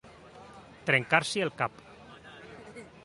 Trencar-s'hi el cap.